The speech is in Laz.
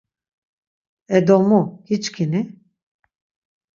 E do mu giçkini?